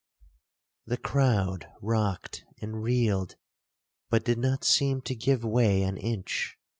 'The crowd rocked and reeled, but did not seem to give way an inch.